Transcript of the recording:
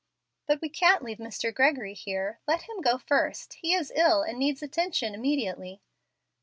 "But we can't leave Mr. Gregory here. Let him go first. He is ill, and needs attention immediately."